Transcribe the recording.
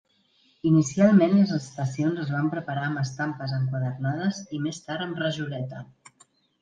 Inicialment les estacions es van preparar amb estampes enquadernades i més tard amb rajoleta.